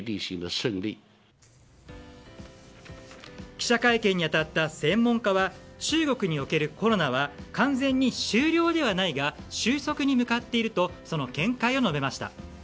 記者会見に当たった専門家は中国におけるコロナは完全に終了ではないが収束に向かっているとその見解を述べました。